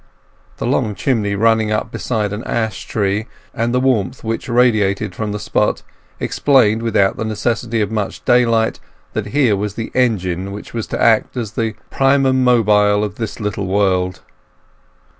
The long chimney running up beside an ash tree, and the warmth which radiated from the spot, explained without the necessity of much daylight that here was the engine which was to act as the primum mobile of this little world.